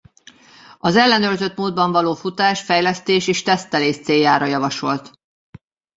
Az ellenőrzött módban való futás fejlesztés és tesztelés céljára javasolt.